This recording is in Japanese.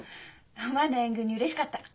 思わぬ援軍にうれしかった。